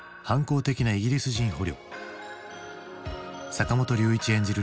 坂本龍一演じる